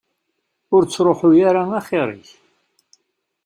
Ur ttruḥ ara axir-ik.